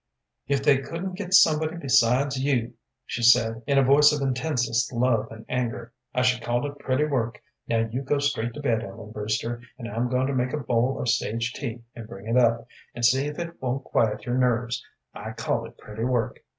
"If they couldn't get somebody besides you," she said, in a voice of intensest love and anger, "I should call it pretty work. Now you go straight to bed, Ellen Brewster, and I'm goin' to make a bowl of sage tea, and bring it up, and see if it won't quiet your nerves. I call it pretty work."